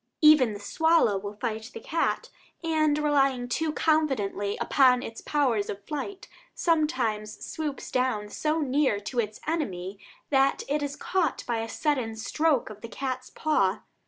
Even the swallow will fight the cat, and, relying too confidently upon its powers of flight, sometimes swoops down so near to its enemy that it is caught by a sudden stroke of the cat's paw.